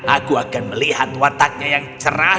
aku akan melihat wataknya yang cerah